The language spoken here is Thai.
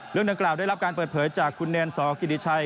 เรื่องดังกล่าวได้รับการเปิดเผยจากคุณแนนสกิริชัย